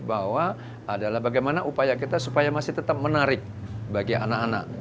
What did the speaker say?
bahwa adalah bagaimana upaya kita supaya masih tetap menarik bagi anak anak